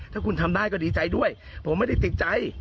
ถ้าคุณทำได้ก็ดีใจด้วยผมไม่ได้ติดใจ